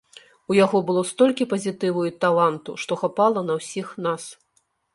У яго было столькі пазітыву і таланту, што хапала на ўсіх нас.